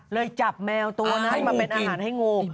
จับแมวตัวนั้นมาเป็นอาหารให้งู